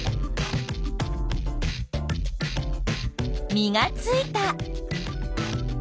実がついた。